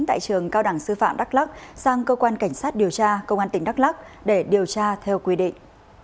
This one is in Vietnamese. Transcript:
tại trường cao đẳng sư phạm đắk lắc sang cơ quan cảnh sát điều tra công an tỉnh đắk lắc để điều tra theo quy định